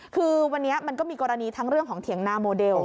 คือวันนี้มันก็มีกรณีทั้งเรื่องของเถียงนาโมเดล